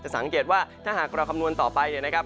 สังเกตว่าถ้าหากเราคำนวณต่อไปเนี่ยนะครับ